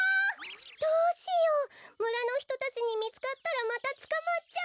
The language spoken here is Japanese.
どうしようむらのひとたちにみつかったらまたつかまっちゃう。